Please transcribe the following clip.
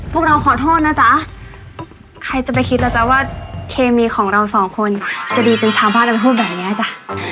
พวกเราขอโทษนะจ๊ะใครจะไปคิดล่ะจ๊ะว่าเคมีของเราสองคนจะดีจนชาวบ้านจะพูดแบบนี้จ้ะ